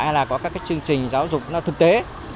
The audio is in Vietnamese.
hay là có các cái chương trình giáo dục nó thực tế